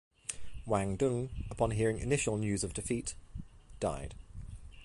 Wang Dun, upon hearing initial news of defeat, died.